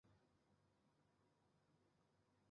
斯里兰卡共有两名游泳运动员参加奥运。